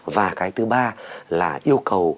và cái thứ ba là yêu cầu